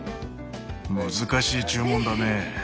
難しい注文だねぇ。